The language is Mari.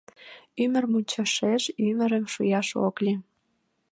Ӱмыр мучашеш ӱмырым шуяш ок лий.